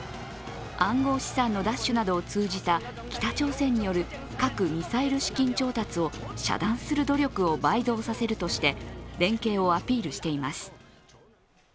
暗号資産の奪取などを通じた北朝鮮による核・ミサイル資金調達を遮断する努力を倍増させるとして連携をアピールしています。